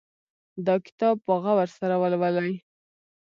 دا کتاب په غور سره ولولئ